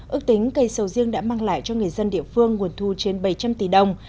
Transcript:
ước tính cây sầu riêng đã mang lại cho người dân địa phương nguồn thu trên bảy trăm linh tỷ đồng